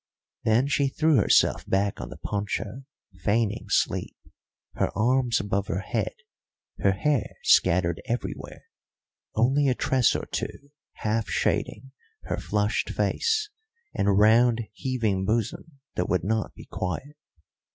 Then she threw herself back on the poncho, feigning sleep, her arms above her head, her hair scattered everywhere, only a tress or two half shading her flushed face and round, heaving bosom that would not be quiet.